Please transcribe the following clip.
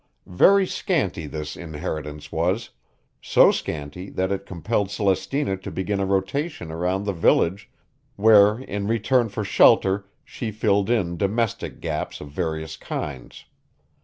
Very scanty this inheritance was, so scanty that it compelled Celestina to begin a rotation around the village, where in return for shelter she filled in domestic gaps of various kinds.